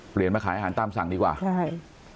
เปลี่ยนมาขายอาหารตามสั่งดีกว่าใช่